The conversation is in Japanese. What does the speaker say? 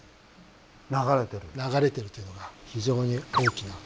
流れてるというのが非常に大きな。